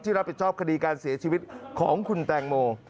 รับผิดชอบคดีการเสียชีวิตของคุณแตงโม